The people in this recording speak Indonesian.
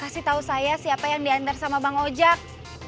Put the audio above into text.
kasih tau saya siapa yang diantar sama bang ojak